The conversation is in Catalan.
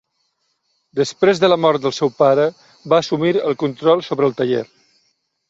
Després de la mort del seu pare, va assumir el control sobre el taller.